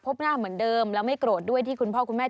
หน้าเหมือนเดิมแล้วไม่โกรธด้วยที่คุณพ่อคุณแม่